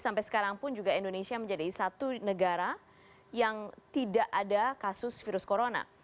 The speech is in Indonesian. sampai sekarang pun juga indonesia menjadi satu negara yang tidak ada kasus virus corona